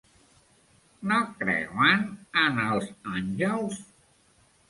No creuen en els àngels?